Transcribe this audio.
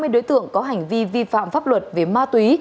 hai trăm ba mươi đối tượng có hành vi vi phạm pháp luật về ma túy